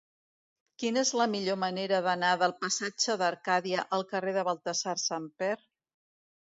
Quina és la millor manera d'anar del passatge d'Arcadia al carrer de Baltasar Samper?